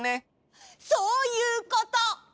そういうこと！